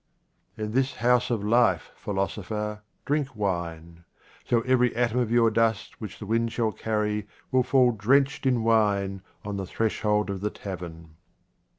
In this house of life, philosopher, drink wine. So every atom of your dust which the wind shall carry will fall drenched in wine on the threshold of the tavern.